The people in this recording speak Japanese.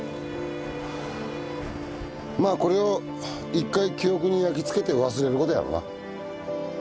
まあこれを一回記憶に焼き付けて忘れることやろうな。